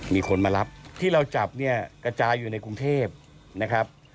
มีคนมารับที่เราจับเนี่ยกระจายอยู่ในกรุงเทพนะครับ